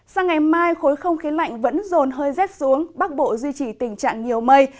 sang ngày mai khối không khí lạnh vẫn rồn hơi rét xuống bắc bộ duy trì tình trạng nhiều mây